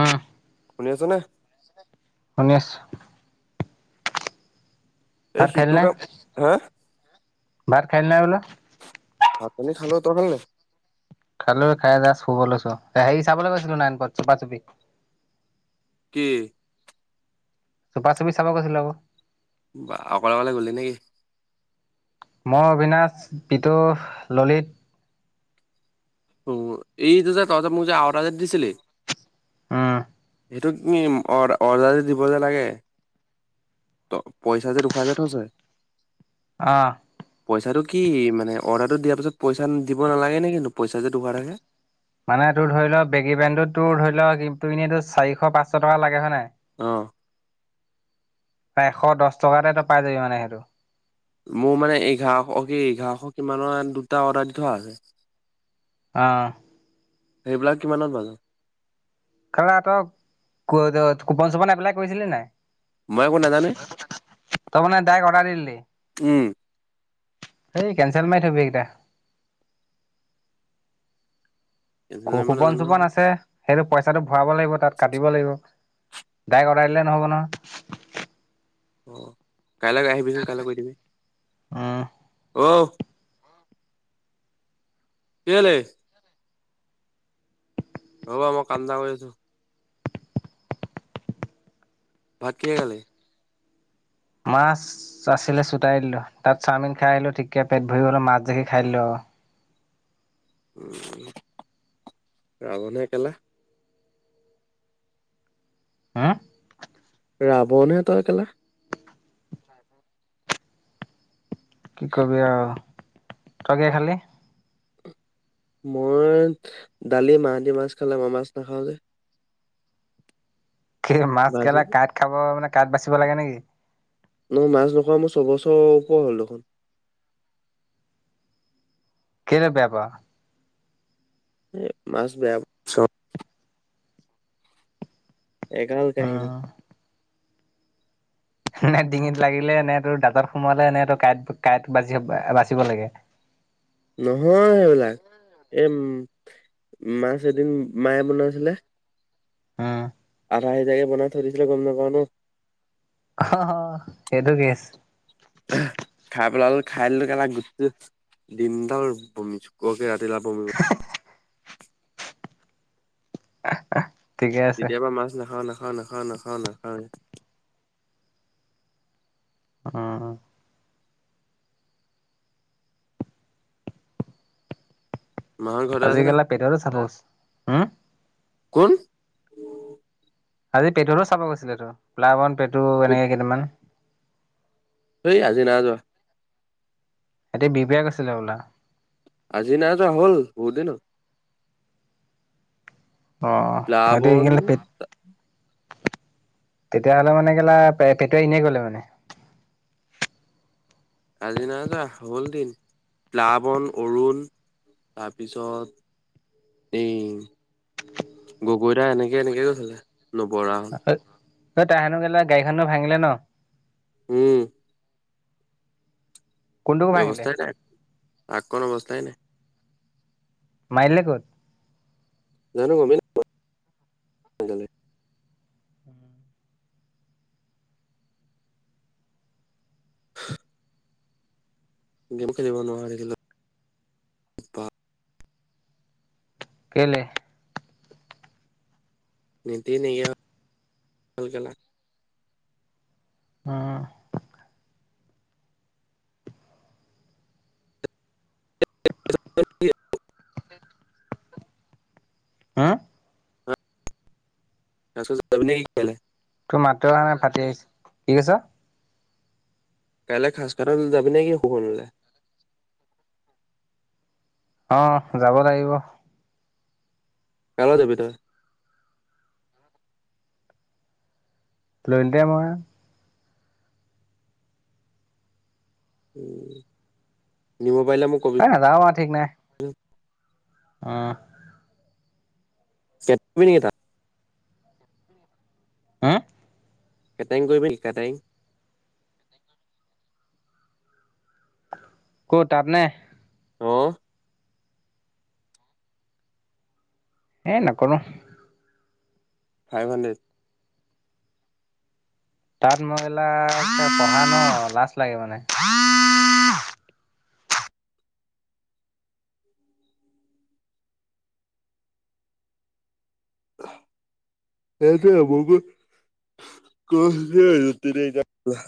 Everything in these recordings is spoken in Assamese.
আহ শুনি আছ'নে? শুনি আছো। এই ভাত খালি সিটো নাই? কাম হা ভাত খালি নাই বোলো? ভাত- পানী খালো। তই খালি নাই? খালো, খাই যাচ্‌ শুবলৈ লৈছো আও। হেৰি, চাবলৈ গৈছিলো নাইনপত চোপা -চুপি। কি? চুপা-চুপি চাব গৈছিলো আকৌ। বাহ, অকলে অকলে গলি নেকি? মই, অবিনাশ, পিতু, ললিত অ, এইটো যে তঁহতে মোক যে আওটা যে দিছিলি। উম সেইটো তুমি, অডা অৰ্ডাৰ যে দিব যে লাগে। ত, পইচা যে দখুৱাই যে থৈছে? আ। পইচাটো কি? মানে অৰ্ডাৰটো দিয়াৰ পিছত পইচা দিব নালাগে নে কি? কিন্তু পইচা যে তু অডাৰ আহে। মানে তোৰ ধৰি লওক বেগী পেণ্টোত টো তোৰ ধৰি লওক ইপিনেটো এনেইটো চাৰিশ পাঁচশ টকা লাগে হয় নাই? অৱ এশ দচ্‌ টকা এটা পাই যাবি মানে সেইটো। মোৰ মানে এঘাৰশ কি এঘাৰশ কিমানৰ দুটা অৰ্ডাৰ দি থোৱা আছে। আহ সেইবিলাক কিমানৰ বাজেট? [unintelligible] তক কুপন চুপন এপ্লাই কৰিছিলি নাই? মই একো নাজানো এই। তই [unintelligible] উম। এই কেনচেল মাৰি থবি এইকেইটা। কেনচেল কু কৰিব কুপন নাজানো চোপন নহয় আছে, সেইটো পইচাটো ভৰাব লাগিব তাত কাটিব লাগিব। ডাইৰেক্ট অৰ্ডাৰ দিলে নহ'ব নহয়। অ কাইলৈ আহিবিচোন কাইলৈ কৰি দিবি। উম। ক কেলে? হব' মই কাম এটা কৰি আছো। ভাত কিহে খালী? মাছ আছিলে চোটাই দিলোঁ, তাত চাওমিন খাই আহিলো ঠিকে পেট ভৰি গ'ল মাছ দেখি খাই দিলোঁ আৰু। উম ৰাৱণহে কেলা। হা? ৰাবনহে তই কেলা। কি কবি আও। তই গে খালি? মই দালি, মাহতি মাছ খালে মই মাছ নাখাওঁ যে। স মাছ ভাজি কেলা, কাঁইট খাব মানে কাঁইট বাচিব লাগে নেকি? নহয় মাছ নোখোৱা মোৰ ছবছৰ ওপৰ হ'ল দেখোন। কেনে বেয়া পাও? মাছ বেয়া চ এগাল কাহিনী উম নে ডিঙিত লাগিলে, নে তোৰ দাতত সোমালে, নে তোৰ কাঁইট কাঁইট বাচিব বাচিব লাগে? [inaudible] নহয় সেইবিলাক। এ উম মাছ এদিন মায়ে বনাইছিলে আহ। আধ সিজাকে বনাই থৈ দিছিলে গম নাপাও ন অ হ হ সেইটো কেছ। খাই পেলালোঁ, খাই দিলোঁ কেলা, গোটেই দিন দাল বমি চুকুৱকে [unintelligible] [inaudible] কেতিয়াবা মাছ নাখাওঁ নাখাওঁ নাখাওঁ নাখাওঁ নাখাওঁ অহ। মাহঁত ঘৰতে আজি আছে নে কেলা পেটৰো চাবচ, হম? কোন? আজি পেটুৰো চাব গৈছিলে টো, প্লাৱন পেটু এনেকে কেইদান সেই আজি না যোৱা [inaudible] গৈচিলে হবলা? আজি নাই যোৱা, হ'ল বহুত দিন হল। অ [unintelligible] প্লাবন তেতিয়াহ'লে মানে কেলা, পেটুৱাই এনেই কলে মানে। আজি নাই যোৱা হ'ল দিন, প্লাৱন অৰুণ তাৰপিছত এই গগৈদা এনেকে এনেকে গৈছিলে, নবৰা ত তাৰহেনো কেলা গাড়ীখনো ভাঙিলে ন? উম। কোনটোকো ভাঙিলে অৱস্থাই নাই, ট্ৰাক খন অৱস্থাই নাই। মাৰি দিলে ক'ত? জানো গমেই নাই পোৱা। হা [unintelligible] গেম খেলিব নোৱাৰা হৈ থাকিলো [unintelligible] কেলে? নেটেই নাইকিয়া হ'ল [unintelligible] হুম! [unintelligible] হা? [unintelligible] যাবি না কি কাইলে? তোৰ মাতটোৱে অহা নাই ফাটি আহিছে। কি কৈছ? কাইলৈ খাজ [unintelligible] যাবি না কি সুব অঁ যাব লাগিব। কাৰ লগত যাবি তই? ললিতে, ম‌ইয়ে। নিব [unintelligible] এ নাযাও আও ঠিক নাই। অঁ! [unintelligible] হুম! কেটাইং কৰিবি নি কেটাইং ক'ত তাত নে? হ [unintelligible] সেই নকৰোঁ। Five hundred. তাত মই এইলা [inaudible] পঢ়া ন লাজ লাগে মানে। সেইটোৱেই [unintelligible] কৈছিলে [unintelligible]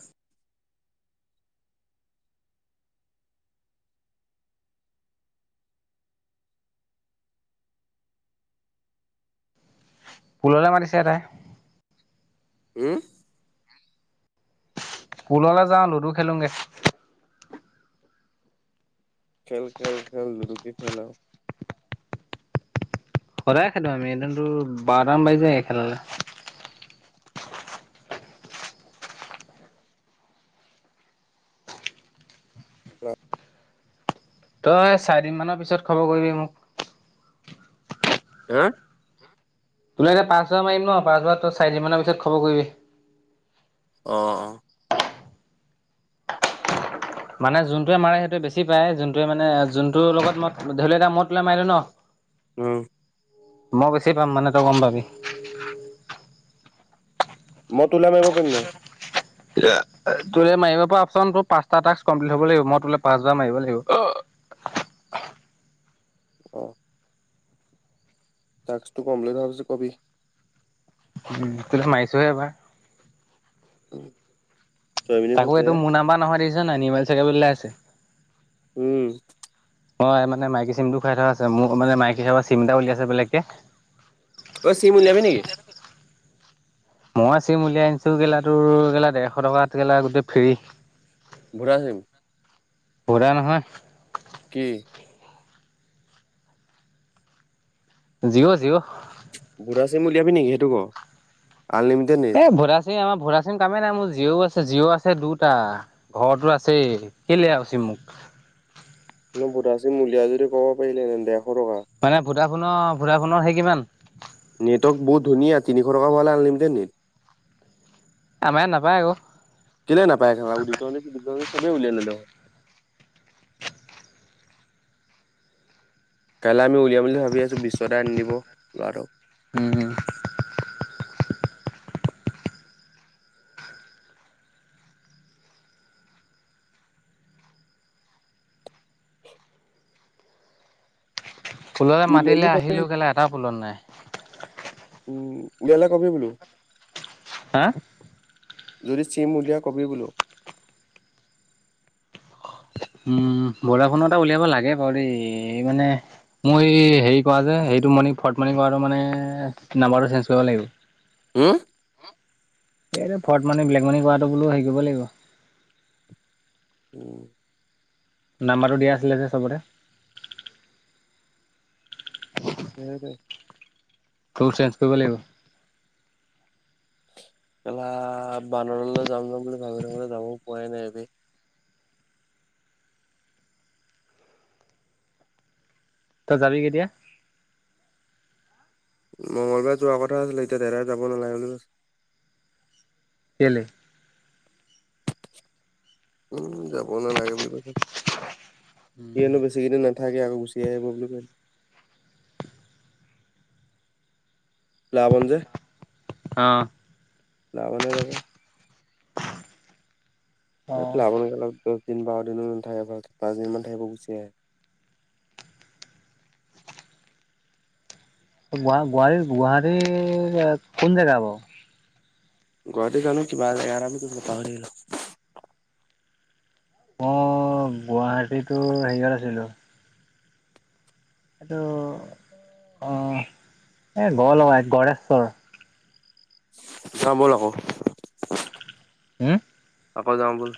পোললে মাতিছে এটাই। উম! পোললে যাওঁ লুডু খেলোগে। খেল-খেল-খেল লুডুকে খেল আও। সদায় খেলো আমি সেইদিনাতো বাৰটামান বাজি যায় গে খেলালে। তই চাৰিদিনমানৰ পিছত খবৰ কৰিবি মোক। হা! তোলে এতিয়া পাঁচহাজাৰ মাৰিম ন, পাঁচবাৰত তই চাৰিদিনমানৰ পিছত খবৰ কৰিবি? আহ [unintelligible] মানে যোনটোৱে মাৰে সেইটোৱে বেছি পায়, যোনটোৱে মানে যোনটোৰ লগত ম‌ই, ধৰি লৱ এতিয়া মই তোলে মাৰিলোঁ ন উম! মই বেছি পাম মানে তই গম পাবি। মই তোলে মাৰিব পাৰিম নাই? [unintelligible] তোলে মাৰিব পৰা অৱচনটো পাঁচটা ৰ্টাক্স কমপ্লিট হব লাগিব, মই তোলে পাঁচবাৰ মাৰিব লাগিব। [unintelligible] আহ‌ [inaudible] ৰ্টাজটো কমপ্লিট হোৱা পিছত কবি? উম তোলে মাৰিছোহে এবাৰ। উম [inaudible] তাকো এইটো মোৰ নাম্বাৰ নহয় দেখিছ নাই? নিৰ্মল শইকীয়া বুলি ওলাই আছে। উম! মই মানে মাইকী চিমটো খুৱাই থোৱা আছে, মোৰ মানে মাইকী ভাগৰ চিম এটা উলিয়াইছে বেলেগকে [unintelligible] অই চিম উলিয়াবি নেকি? মই আছেম উলিয়াই আনিছো গেলা তোৰগেলা ডেৰশ টকাত গেলা গোটেই ফ্ৰি বুঢ়া চিম বুঢ়া নহয় কি জিঅ জিঅ ভঢ়া চিম উলিয়াবি নেকি সেইটো ক আনলিমিটেড নে এ ভোডা আমাৰ ভদাচিম চিম কামে নাই মোৰ জিঅও আছে জিঅও আছে দুটা ঘৰতো আছে কেলে আও চিম মোক [unintelligible] বুলো ভদাচিম উলিয়াও যদি ক'ব পাৰিলি তেন্তে মানে ভদাফোনৰ ভদাফোনৰ সেই কিমান নেটৱৰ্ক বহুত ধুনীয়া তিনিশ টকা ভালে আনলিমিটেড দিয়ে আমাৰ ইয়াত নাপায় আকৌ কেলে নপায় [unintelligible] সবে উলিয়াই ল'লে ক কাইলৈ আমি উলিয়াম বুলি ভাবি আছো বিশ্চদাই আনি দিব লৰাটোক উম পুললৈ উলিয়াই মাতিলে দি কবি। আহিলো কেলা এটা পুলত নাই উম, উলিয়ালে কবি বোলো হা যদি চিম উলিয়াওঁ কবি বোলো উম ভদাফোনৰ এটা উলিয়াব লাগে বাৰু দেই মানে মই হেৰি কৰা যে মনি ফলত মনি কৰোঁতে নাম্বাৰটো চেন্স কৰিব লাগিব হো এই ফৰ্ট মানি ব্লেক মানি কৰাটো বোলো হেৰি কৰিব লাগিব উম নাম্বাৰটো দিয়া আছিলে যে চবতে কিহত হে তোৰ চেঞ্জ কৰিব লাগিব কেলা বানৰলৈ যাম যাম বুলি ভাবি থাকোঁতেই যাবও পোৱাই নাই বে তই যাবি কেতিয়া মঙ্গলবাৰে যোৱা কথা আছিলে এতিয়া দেতাই যাব নালাগে বুলি কৈছে কেলে উম যাব নালাগে বুলি কৈছে সি হেনো বেছি কেইদিন নাথাকে আৰু গুছি আহিব বুলি কয় লাৱন যে অ লাৱানে যাব অ [unintelligible] দিন বাৰ দিন নথাকে ভাল পাঁচদিনমান থাকিব গুচি আহে [unintelligible] গুৱা গুৱাহাটী গুৱাহাটীৰ কোন জেগা বাওঁ গুৱাহাটী জানো কিবা জেগাএটা বুলি কৈছিলে পাহৰি থাকিলোঁ মই গুৱাহাটী তোৰ হেৰিয়ত আছিলো এইটো অ এ গ লগা গড়েশ্বৰ যাম বল আকৌ হোম আকৌ যাওঁ বল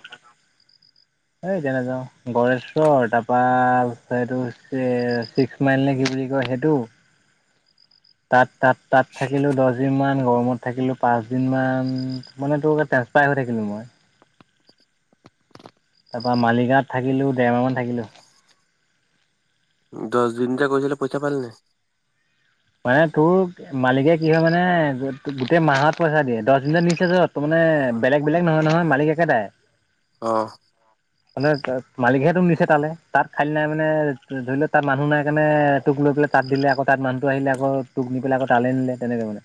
এই এতিয়া যাও গৰেশ্বৰ তাৰপা এইটো ছিক্স মাইল নে কি বুলি কয় সেটো তাত তাত তাত থাকিলো দহ দিন মান ৰোমত থাকিলো পাঁচ দিন মান মানে তোৰ পাই হৈ থাকিলোঁ মই তাৰ পৰা মালিগাঁৱত থাকিলো দেৰমাহ মান থাকিলো দহ দিন যে গৈছিলি পইচা পালি নাই মানে তোৰ মালিকে কি হয় মানে গোট গোটেই মাহত পইচা দিয়ে দহ দিনত নিছে যত ত মানে এ বেলেগ বেলেগ নহয় নহয় মালিক একেটাই অহ মানে এ মালিকহ তোক নিছে তালে তাত খালী নাই মানে ধৰি লও তাত মানুহ নাই কাৰণে তোক লৈ পেল তাত দিলে আকৌ তাত মানুহটো আহিলে আকৌ তোক নি পেলাই আকৌ তালে নিলে তেনেকে মানে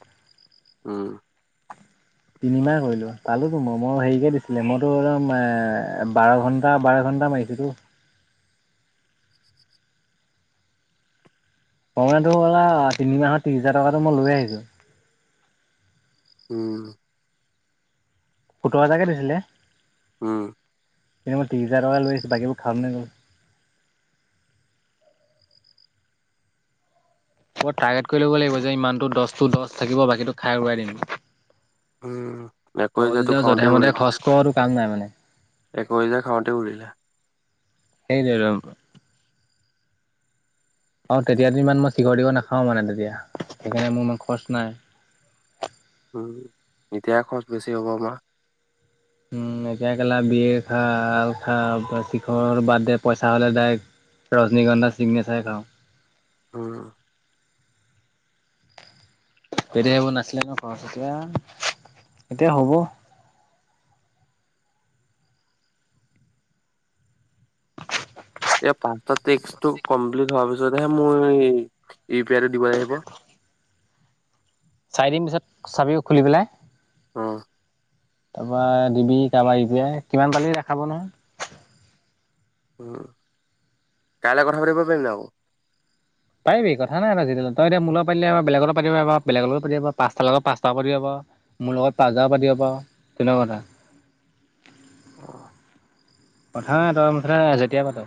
উম [unintelligible] তিনিমাহ কৰিলো পালোতো মই মই হেৰিকে দিছিলে মইতো একদম এ বাৰ ঘন্টা বাৰ ঘন্টা কমাই আহিছো টো প্ৰমেটো লা তিনিমাহৰ ত্ৰিশ হাজাৰ টকাটো মই লৈ আহিছো উম। সোতৰ হেজাৰ কে দিছিলে উ। কিন্তু মই ত্ৰিশ হাজাৰ টকা লৈ আছো বাকীবোৰ খাম নে গ'ল অ টাৰ্গেট কৰি ল'ব লাগিব যে ইমানতটো দচ টো দচ থাকিব বাকীটো খাই উৰাই দিম। উম, একৈশ তই হাজাৰটো যতিয়া খাওঁতে যধে মধে উৰিলে। খৰচ ক টো কাম নাই মানে। একৈশ হাজাৰ খাওঁতে উৰিলে সেই টোৱে ত অ তেতিয়াত ইমান মই চিখৰ তিখৰ নাখাও মানে তেতিয়া সেইকাৰণে মোৰ ইমান খৰচ নাই হয় [unintelligible] উ এতিয়া খৰচ বেছি হ'ব আমা উম। এতিয়া কেলা বিয়েৰ আল খা বা শিখৰ বাদ দে পইচা হ'লে দায়েক। ৰজনীগন্ধা চিগনেচাৰে খাওঁ হো হো তেতিয়া সেইবোৰ নাছিলে ন খৰচ এতিয়া এতিয়া হ'ব। এ পাঁচটা ট্ৰিক্সটো কমপ্লিট হোৱাৰ পিছতহে মই ইপ পিয়াটো দিব আহিব। চাৰিদিন পিছত চাবি খুলি পেলাই। অ। তাৰপা দিবি কাবাৰ ইউ পি আই কিমান পালি দেখাব নহয়। উম কাইলে কথা পাতিব পাৰিম নাই আকৌ। পাৰিবি কথা নাই ন যি তই এতিয়া মো লগত পাতিলে আও বলেগৰ পাতিব বা বেলেগৰ লগত পাতিব পাও পাচটা লগত পাতিব পাও মোৰ লগত পাচবাৰও পাতিব পাৰ তেনেকুৱা কথা অহ। প্ৰথা তই মুঠতে যেতিয়া পাত।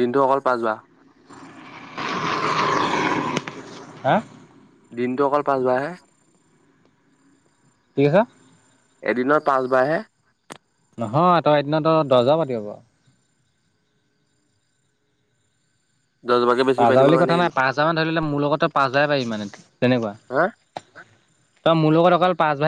দিনটো অকল পাঁচ বাৰ হা। দিনটো অকল পাচ বাৰহে কি কৈছ? এদিনৰ পাঁচবাহে নহয় তই এদিনা ত দশবাৰো পাতিব পাৰ দহ বাৰকে বেছি পাই পাঁচজা দিব বুলি নোৱাৰি কথা নেকি নাই নো? পাঁচ হাজাৰ মান ধৰিলে মোৰ লগতে পাঁচ জাহে পাৰিবি মানে তেনেকুৱা হা তই মোৰ লগত অকল পাঁচ বাহে